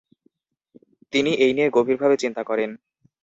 তিনি এই নিয়ে গভীরভাবে চিন্তা করেন।